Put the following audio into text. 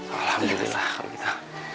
alhamdulillah kamu gitu